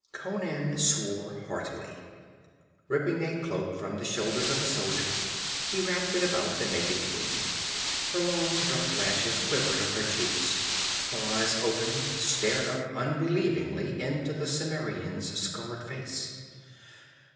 Conan swore heartily. Ripping a cloak from the shoulders of a soldier, he wrapped it about the naked queen. Her long dark lashes quivered on her cheeks; her eyes opened, stared up unbelievingly into the Cimmerian's scarred face.